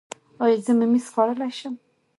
ایا زه ممیز خوړلی شم؟